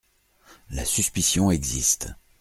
La suspicion existe.